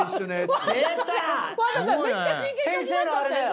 先生のあれだよ。